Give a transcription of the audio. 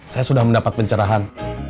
saya sudah mendapat pencerahan